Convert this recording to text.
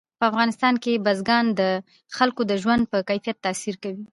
په افغانستان کې بزګان د خلکو د ژوند په کیفیت تاثیر کوي.